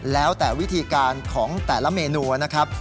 แล้วแต่วิธีการของแต่ละเมนูนะครับ